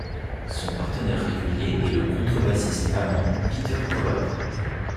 Son partenaire régulier est le contrebassiste allemand Peter Kowald.